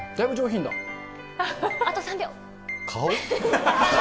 あと３秒。